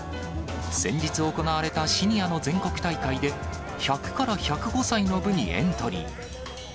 先日行われたシニアの全国大会で、１００から１０５歳の部にエントリー。